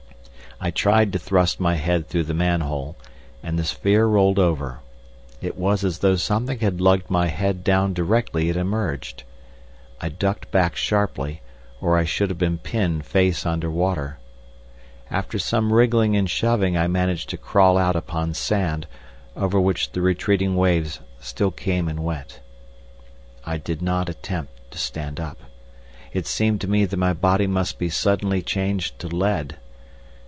I tried to thrust my head through the manhole, and the sphere rolled over. It was as though something had lugged my head down directly it emerged. I ducked back sharply, or I should have been pinned face under water. After some wriggling and shoving I managed to crawl out upon sand, over which the retreating waves still came and went. I did not attempt to stand up. It seemed to me that my body must be suddenly changed to lead.